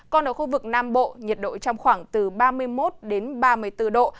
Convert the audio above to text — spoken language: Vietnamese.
còn ở khu vực nam bộ nhiệt độ trong khoảng từ ba mươi một ba mươi bốn độ